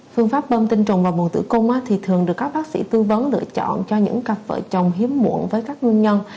phương pháp bơm tinh trùng và buồn tử cung thường được các bác sĩ tư vấn lựa chọn cho những cặp vợ chồng hiếm muộn với các nguyên nhân